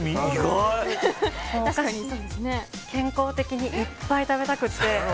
健康的にいっぱい食べたくて。